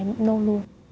em nôn luôn